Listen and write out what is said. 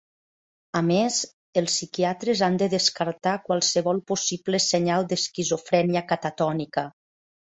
A més, els psiquiatres han de descartar qualsevol possible senyal d'esquizofrènia catatònica.